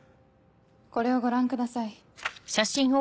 これをご覧ください。